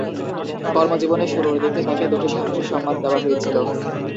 কর্মজীবনের শুরুর দিকে তাকে দুটি সাহসী সম্মান দেওয়া হয়েছিল।